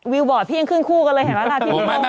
บอร์ดพี่ยังขึ้นคู่กันเลยเห็นไหมล่ะ